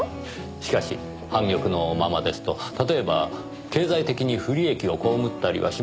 しかし半玉のままですと例えば経済的に不利益を被ったりはしませんか？